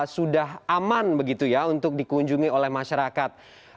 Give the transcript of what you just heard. sudah aman begitu ya untuk dikunjungi oleh masyarakat